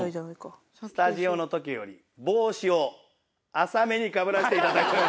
スタジオの時より帽子を浅めにかぶらせていただいております。